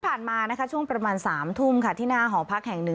ผ่านมาช่วงประมาณ๓ทุ่มที่หน้าหอพักแห่งหนึ่ง